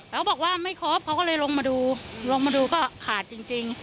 แล้วบอกว่าไม่ครบเขาก็เลยลงมาดูลงมาดูก็ขาดจริง